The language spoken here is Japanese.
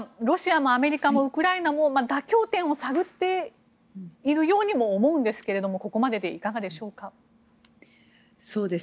ロシアもアメリカもウクライナも妥協点を探っているようにも思うんですけれどもここまででいかがでしょうか。